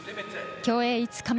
競泳５日目。